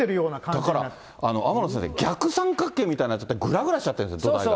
だから、天野先生、逆三角形みたいな、ぐらぐらしちゃってる、土台が。